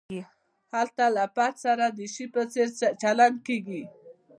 هلته له فرد سره د شي په څېر چلند کیږي.